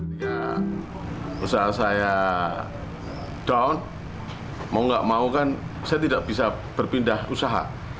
sehingga usaha saya down mau nggak mau kan saya tidak bisa berpindah usaha